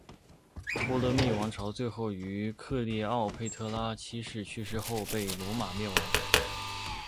托勒密王朝最后于克丽奥佩特拉七世去世后被罗马灭亡。